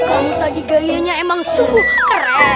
kamu tadi gayanya emang sungguh keren